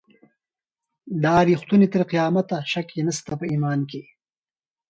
دا ریښتونی تر قیامته شک یې نسته په ایمان کي